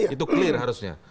itu clear harusnya